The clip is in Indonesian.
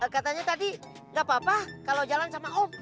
katanya tadi nggak apa apa kalau jalan sama om